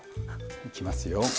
いきますよ。